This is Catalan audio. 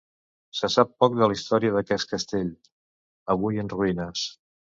Se sap poc de la història d'aquest castell, avui en ruïnes.